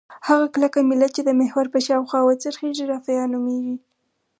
هغه کلکه میله چې د محور په چاپیره وڅرخیږي رافعه نومیږي.